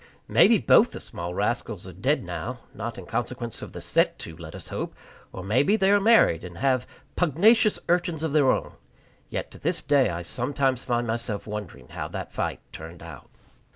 Maybe both the small rascals are dead now (not in consequence of the set to, let us hope), or maybe they are married, and have pugnacious urchins of their own; yet to this day I sometimes find myself wondering how that fight turned out.